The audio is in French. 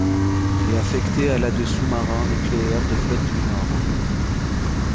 Il est affecté à la de sous-marins nucléaires de flotte du Nord.